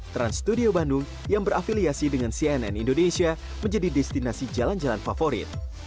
trans studio bandung yang berafiliasi dengan cnn indonesia menjadi destinasi jalan jalan favorit